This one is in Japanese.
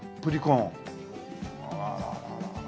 あらららら。